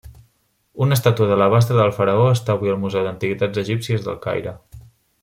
Una estàtua d'alabastre del faraó està avui al Museu d'Antiguitats Egípcies del Caire.